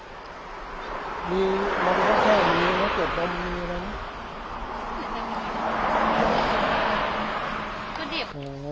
มันก็แค่ตรงนี้แล้วตรงตรงนี้มันมีอะไรมั้ย